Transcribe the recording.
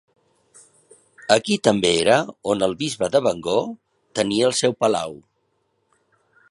Aquí també era on el bisbe de Bangor tenia el seu palau.